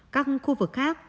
các khu vực khác